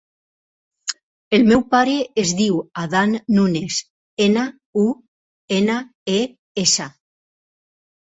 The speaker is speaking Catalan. El meu pare es diu Adán Nunes: ena, u, ena, e, essa.